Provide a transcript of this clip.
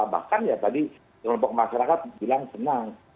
bahkan ya tadi kelompok masyarakat bilang senang